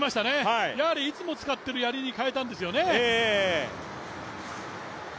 やはり、いつも使っているやりに変えたんですよね。